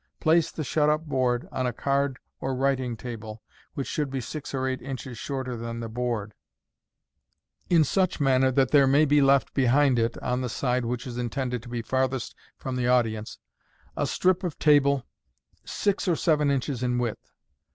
Place the shut up board on a card or writing table (which should be six or eight inches shorter than the board), in such manner that there may be left behind it (on Che side MODERN MAGIC. which is intended to be farthest from the audience), a strip o\ table six or seven inches in width.